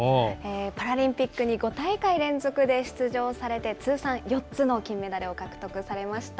パラリンピックに５大会連続で出場されて、通算４つの金メダルを獲得されました。